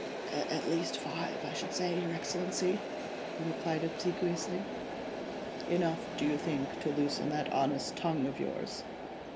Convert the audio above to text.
"At least five, I should say, your Excellency," he replied obsequiously. "Enough, do you think, to loosen that honest tongue of yours?"